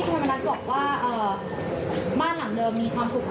ไม่ทำให้พลุกค้าหรือว่าหลักหลักคนแล้วด้วยต้องเสียดายหรอคะ